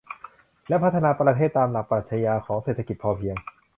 และพัฒนาประเทศตามหลักปรัชญาของเศรษฐกิจพอเพียง